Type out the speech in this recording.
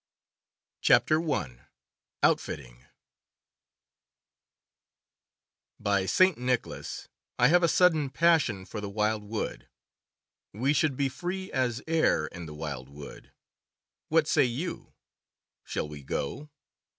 CHAPTER I OUTFITTING "By St. Nicholas I have a sudden passion for the wild wood — We should be free as air in the wild wood — What say you? Shall we go?